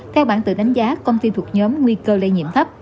theo bản tự đánh giá công ty thuộc nhóm nguy cơ lây nhiễm thấp